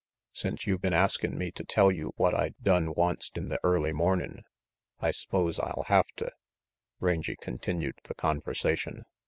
"Since you been askin' me to tell you what I done onct in the early mornin', I s'pose I'll hafta," Rangy continued the conversation.